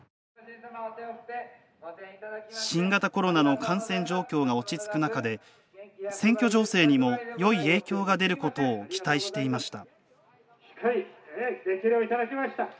新型コロナの感染状況が落ち着く中で選挙情勢にもいい影響が出ることを期待していました。